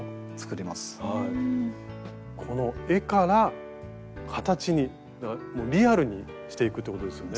この絵から形にリアルにしていくってことですよね。